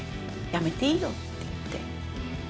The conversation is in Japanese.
辞めていいよって言って。